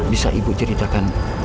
bisa ibu ceritakan